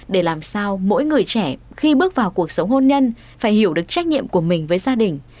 để làm sao mỗi người trẻ khi bước vào cuộc sống hôn nhân phải hiểu được trách nhiệm của mình với gia đình